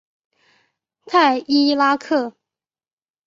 泰伊拉克。